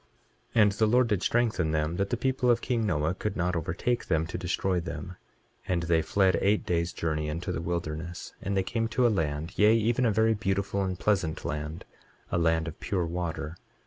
23:2 And the Lord did strengthen them, that the people of king Noah could not overtake them to destroy them. 23:3 And they fled eight days' journey into the wilderness. 23:4 And they came to a land, yea, even a very beautiful and pleasant land, a land of pure water.